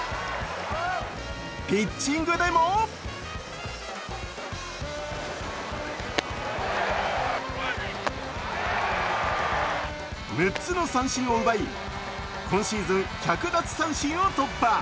ピッチングでも６つの三振を奪い、今シーズン１００奪三振を突破。